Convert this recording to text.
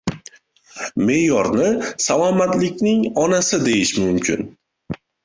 Me’yorni salomatlikning onasi deyish mumkin.